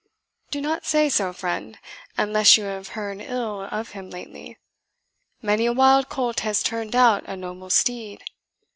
"Do not say so, friend, unless you have heard ill of him lately. Many a wild colt has turned out a noble steed.